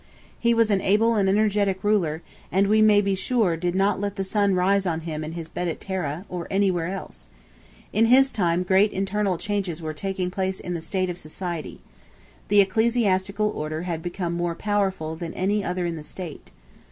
He was an able and energetic ruler, and we may be sure "did not let the sun rise on him in his bed at Tara," or anywhere else. In his time great internal changes were taking place in the state of society. The ecclesiastical order had become more powerful than any other in the state.